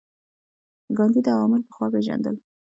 ګاندي دا عوامل پخوا پېژندل.